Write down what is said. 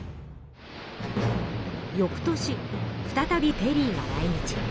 よく年再びペリーが来日。